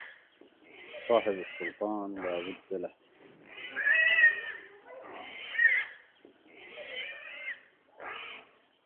صاحب السلطان لابد له